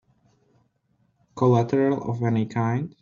Collateral of any kind?